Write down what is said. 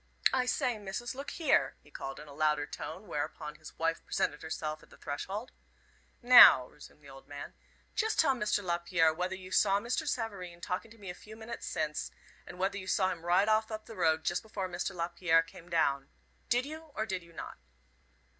I say, Missus, look here," he called in a louder tone, whereupon his wife presented herself at the threshold. "Now," resumed the old man, "just tell Mr. Lapierre whether you saw Mr. Savareen talking to me a few minutes since, and whether you saw him ride off up the road just before Mr. Lapierre came down. Did you, or did you not?"